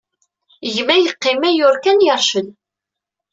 Gma yeqqim ayyur kan, yercel.